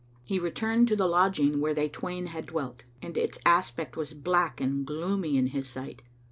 He returned to the lodging where they twain had dwelt, and its aspect was black and gloomy in his sight.